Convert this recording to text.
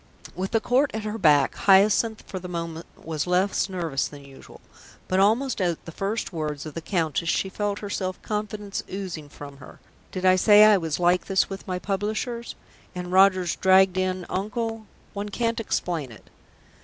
With the Court at her back, Hyacinth for the moment was less nervous than usual, but almost at the first words of the Countess she felt her self confidence oozing from her. Did I say I was like this with my publishers? And Roger's dragged in Uncle one can't explain it.